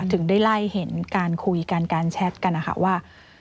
ถึงได้ไล่เห็นการคุยกันการแชทกันนะคะว่า